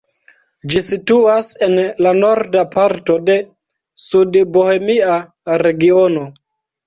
Ĝi situas en la norda parto de Sudbohemia regiono.